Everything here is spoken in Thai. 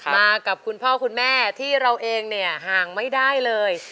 มากับคุณพ่อคุณแม่ที่เราเองเนี่ยห่างไม่ได้เลย